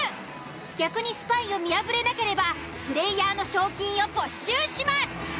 逆にスパイを見破れなければプレイヤーの賞金を没収します。